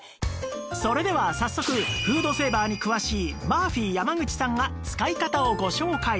それでは早速フードセーバーに詳しいマーフィー山口さんが使い方をご紹介！